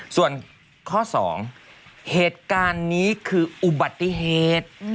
ส่วนข้อ๒เหตุการณ์นี้คืออุบัติเหตุ